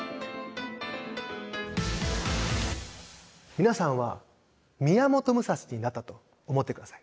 皆さんは宮本武蔵になったと思って下さい。